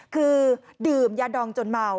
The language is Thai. คือดื่มยาดองจนเมา